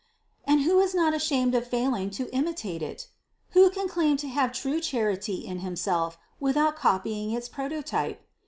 And who is not ashamed of failing to imitate it? Who can claim to have true charity in himself without copying its pro totype?